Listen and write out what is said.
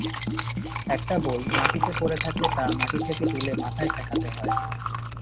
একটা বই মাটিতে পড়ে থাকলে টা মাটি থেকে তুলে মাথায় ঠেকাতে হয়।